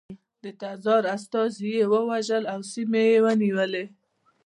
د تزار استازي یې ووژل او سیمې یې ونیولې.